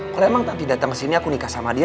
kalau emang tanti datang kesini aku nikah sama dia